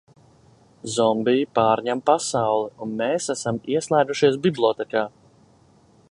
Zombiji pārņem pasauli un mēs esam ieslēgušies bibliotēkā!